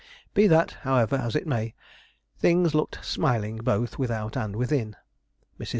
Be that, however, as it may, things looked smiling both without and within. Mrs.